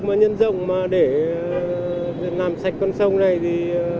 mà nhân rộng mà để làm sạch con sông này thì